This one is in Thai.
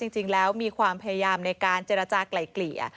จริงแล้วมีความพยายามในการเจรจากลายเกลี่ย